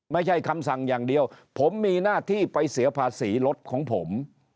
ไม่ใช่คำสั่งอย่างเดียวผมมีหน้าที่ไปเสียภาษีรถของผม